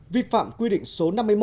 vi phạm quy định số năm mươi một